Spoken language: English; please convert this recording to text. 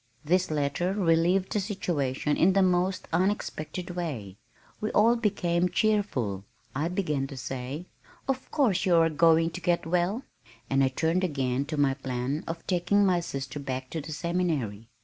This letter relieved the situation in the most unexpected way. We all became cheerful. I began to say, "Of course you are going to get well," and I turned again to my plan of taking my sister back to the seminary.